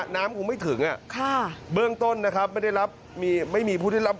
น้ำคงไม่ถึงน่ะบื้องต้นนะครับไม่ได้รับไม่มีผู้ได้รับ